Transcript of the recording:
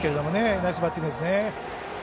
ナイスバッティングですね。